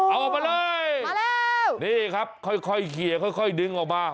อ๋อเอาออกมาเลยมาแล้วนี่ครับค่อยค่อยเคลียร์ค่อยค่อยดึงออกมา